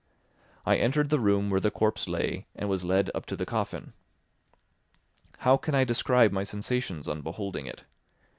I entered the room where the corpse lay and was led up to the coffin. How can I describe my sensations on beholding it?